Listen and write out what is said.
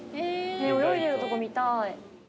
泳いでるとこ見たい。